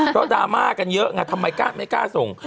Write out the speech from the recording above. เพราะดราม่ากันเยอะไงทำไมไม่กล้าส่ง